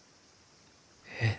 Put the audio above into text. えっ？